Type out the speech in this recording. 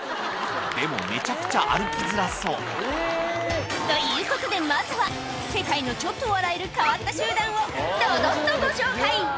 でも、めちゃくちゃ歩きづらそう。ということで、まずは世界のちょっと笑える変わった集団をどどんとご紹介。